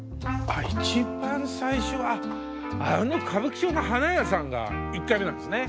あの「歌舞伎町の花屋」さんが１回目なんですね。